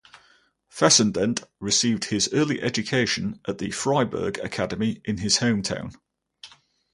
Fessendent received his early education at the Fryeburg Academy in his hometown.